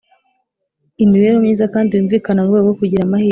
Imibereho myiza kandi yumvikana mu rwego rwo kugira amahirwe